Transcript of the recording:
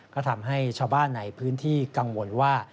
ก็ทำให้ชาวบ้านในพื้นที่กังวลว่า